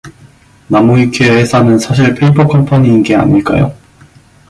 나무위키의 회사는 사실 페이퍼 컴퍼니인게 아닐까요?